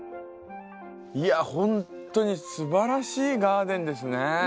いやほんとにすばらしいガーデンですね！